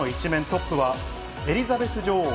トップはエリザベス女王。